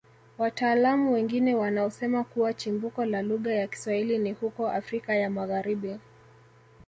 Wataalamu wengine wanaosema kuwa chimbuko la lugha ya Kiswahili ni huko Afrika ya Magharibi